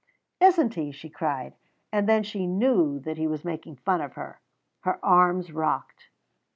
"Isn't he!" she cried; and then she knew that he was making fun of her. Her arms rocked.